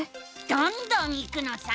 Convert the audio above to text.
どんどんいくのさ！